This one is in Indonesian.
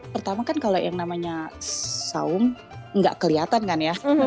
pertama kan kalau yang namanya saung nggak kelihatan kan ya